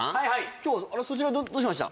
今日あらそちらどうしました？